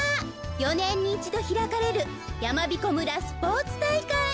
４ねんにいちどひらかれるやまびこ村スポーツたいかい。